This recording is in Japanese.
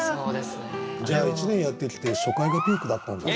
じゃあ１年やってきて初回がピークだったんだ。